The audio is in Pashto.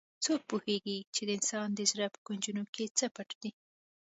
څوک پوهیږي چې د انسان د زړه په کونجونو کې څه پټ دي